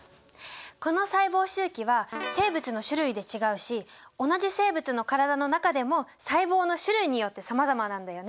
この細胞周期は生物の種類で違うし同じ生物の体の中でも細胞の種類によってさまざまなんだよね。